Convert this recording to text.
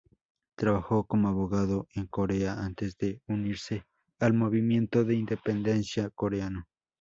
Trabajó como abogado en Corea antes de unirse al movimiento de independencia coreano.